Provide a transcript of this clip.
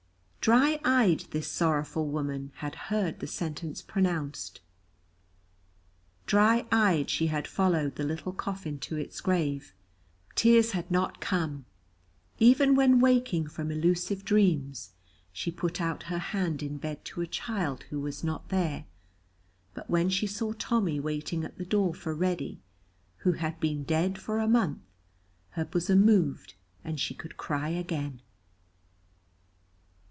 Dry eyed this sorrowful woman had heard the sentence pronounced, dry eyed she had followed the little coffin to its grave; tears had not come even when waking from illusive dreams she put out her hand in bed to a child who was not there; but when she saw Tommy waiting at the door for Reddy, who had been dead for a month, her bosom moved and she could cry again.